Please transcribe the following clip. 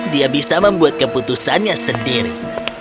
dia bisa membuat keputusannya sendiri